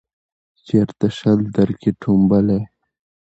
چیرته شل درکښې ټومبلی